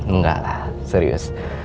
enggak lah serius